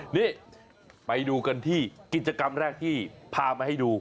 นี่ไปดูกันที่กิจกรรมแรกที่พามาให้ดู